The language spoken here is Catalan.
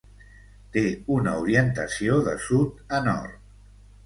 Té una orientació de sud a nord.